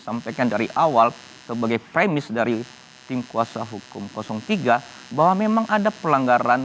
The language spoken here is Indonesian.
sampaikan dari awal sebagai premis dari tim kuasa hukum tiga bahwa memang ada pelanggaran